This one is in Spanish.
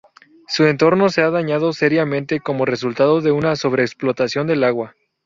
Su entorno se ha dañado seriamente como resultado de una sobre-explotación del agua.